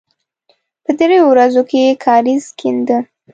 په دریو ورځو کې یې کاریز کېنده.